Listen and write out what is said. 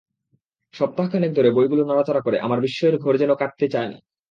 সপ্তাহখানেক ধরে বইগুলো নাড়াচাড়া করে আমার বিস্ময়ের ঘোর যেন কাটতে চায়-ই না।